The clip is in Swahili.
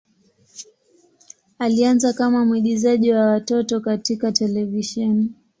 Alianza kama mwigizaji wa watoto katika televisheni.